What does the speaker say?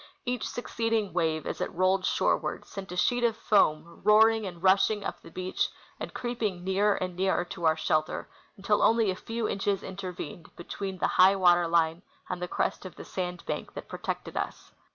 Each succeeding AA^ave, as it rolled shorcAvard, sent a sheet of foam roaring and rushing iip the beach and creeping nearer and nearer to our shelter until only a fcAV inches intervened between the high Avater line and the crest of the sand bank that protected us.